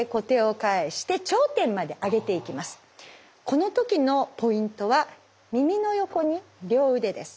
この時のポイントは耳の横に両腕です。